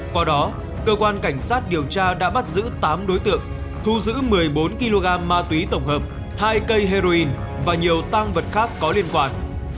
qua đó cơ quan cảnh sát điều tra đã bắt giữ tám đối tượng thu giữ một mươi bốn kg ma túy tổng hợp hai cây heroin và nhiều tang vật khác có liên quan